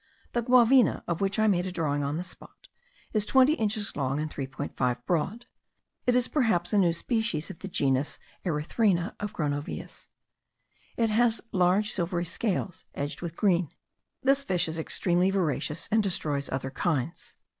The guavina, of which I made a drawing on the spot, is 20 inches long and 3.5 broad. It is perhaps a new species of the genus erythrina of Gronovius. It has large silvery scales edged with green. This fish is extremely voracious, and destroys other kinds.